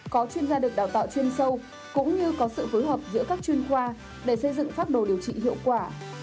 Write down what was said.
có chuyên gia được đào tạo chuyên sâu cũng như có sự phối hợp giữa các chuyên khoa để xây dựng pháp đồ điều trị hiệu quả